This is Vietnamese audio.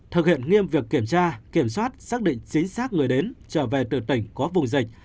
thực hiện nghiêm việc kiểm tra kiểm soát xác định chính xác người đến trở về từ tỉnh có vùng dịch